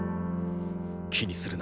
気にするな。